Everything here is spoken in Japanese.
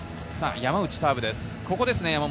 山内のサーブです。